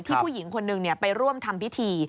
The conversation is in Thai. ที่ผู้หญิงคนนึงเนี่ยไปร่วมทำพิธี